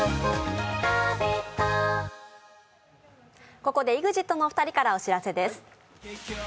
ここでＥＸＩＴのお二人からお知らせです。